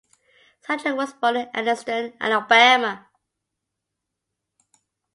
Satcher was born in Anniston, Alabama.